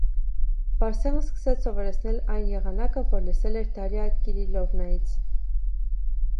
Բարսեղն սկսեց սովորեցնել այն եղանակը, որ լսել էր Դարիա Կիրիլովնայից: